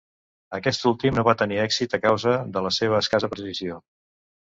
Aquest últim no va tenir èxit a causa de la seva escassa precisió.